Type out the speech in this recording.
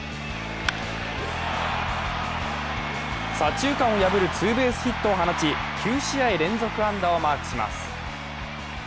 左中間を破るツーベースヒットを放ち、９試合連続安打をマークします。